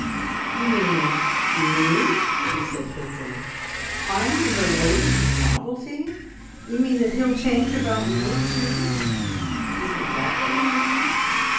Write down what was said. "You mean Me?" she said quickly. "I'm the `Latest Novelty!' You mean that he'll change about me, too? Isn't that what you mean?"